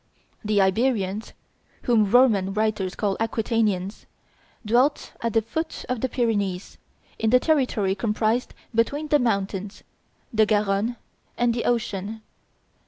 The Iberians, whom Roman writers call Aquitanians, dwelt at the foot of the Pyrenees, in the territory comprised between the mountains, the Garonne, and the ocean.